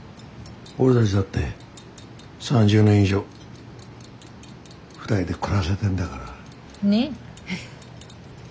俺たちだって３０年以上２人で暮らせてんだから。ねぇ。